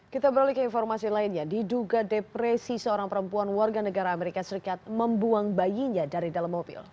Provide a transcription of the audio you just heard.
kita beralih ke informasi lainnya diduga depresi seorang perempuan warga negara amerika serikat membuang bayinya dari dalam mobil